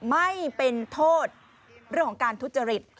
ไม่เป็นโทษเรื่องของการทุจริต